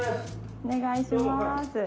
お願いします。